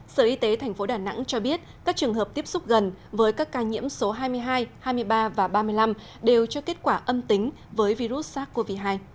sở y tế tp đà nẵng cho biết các trường hợp tiếp xúc gần với các ca nhiễm số hai mươi hai hai mươi ba và ba mươi năm đều cho kết quả âm tính với virus sars cov hai